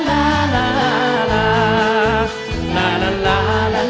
ลาลาลาลาลาลาลาลา